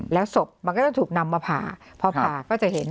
แล้วศพมันก็จะถูกนำมาผ่าพอผ่าก็จะเห็น